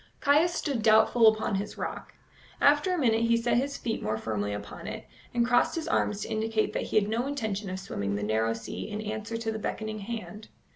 Caius stood doubtful upon his rock. After a minute he set his feet more firmly upon it, and crossed his arms to indicate that he had no intention of swimming the narrow sea in answer to the beckoning hand.